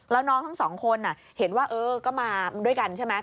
แล้วน้องทั้งสองคนเห็นว่าเออก็มาด้วยกันใช่ไหม